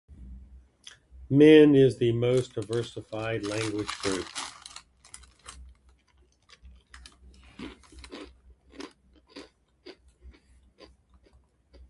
Min is the most diversified language group.